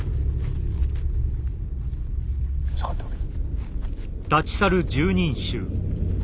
下がっておれ。